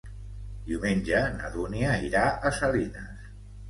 Diumenge na Dúnia irà a Salines.